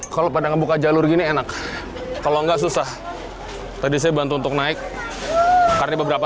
kalau pada ngebuka jalur gini enak kalau enggak susah tadi saya bantu untuk naik karena beberapa